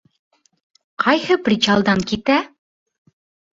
Ҡайһы причалдан китә?